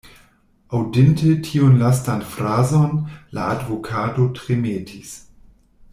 Aŭdinte tiun lastan frazon, la advokato tremetis.